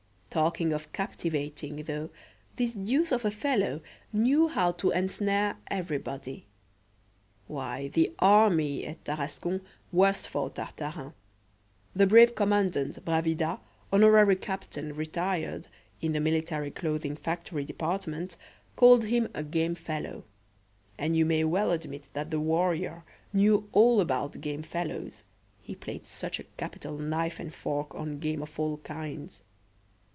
Talking of captivating, though, this deuce of a fellow knew how to ensnare everybody. Why, the army, at Tarascon, was for Tartarin. The brave commandant, Bravida, honorary captain retired in the Military Clothing Factory Department called him a game fellow; and you may well admit that the warrior knew all about game fellows, he played such a capital knife and fork on game of all kinds.